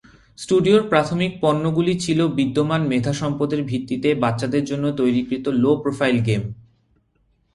স্টুডিওর প্রাথমিক পণ্যগুলি ছিল বিদ্যমান মেধা সম্পদের ভিত্তিতে বাচ্চাদের জন্য তৈরিকৃত লো-প্রোফাইল গেম।